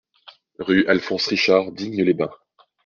Rue Alphonse Richard, Digne-les-Bains